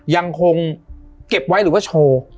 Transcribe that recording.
ยังคงเก็บไว้หรือว่าโชว์